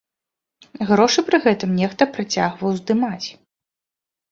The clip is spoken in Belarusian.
Грошы пры гэтым нехта працягваў здымаць.